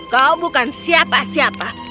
kau bukan siapa siapa